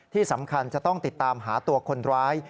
ที่สำคัญจะต้องติดตามหาตัวคนร้าย